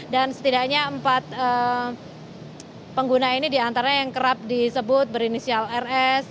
dan setidaknya empat pengguna ini diantara yang kerap disebut berinisial rs